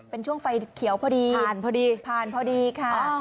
เป็นช่วงไฟเขียวพอดีผ่านพอดีค่ะ